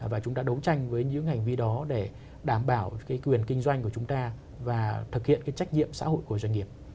và chúng ta đấu tranh với những hành vi đó để đảm bảo quyền kinh doanh của chúng ta và thực hiện cái trách nhiệm xã hội của doanh nghiệp